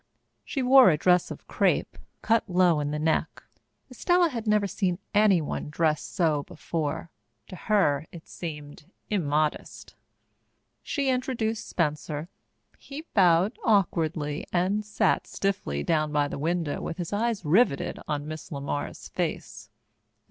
She wore a dress of crepe, cut low in the neck. Estella had never seen anyone dressed so before. To her it seemed immodest. She introduced Spencer. He bowed awkwardly and sat stiffly down by the window with his eyes riveted on Miss LeMar's face.